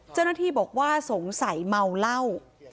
เจ้าหน้าที่บอกว่าสงสัยเมาเหล้า